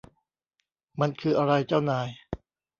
มันคืออะไร เจ้านาย